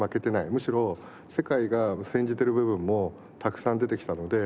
むしろ世界に先んじている部分もたくさん出てきたので。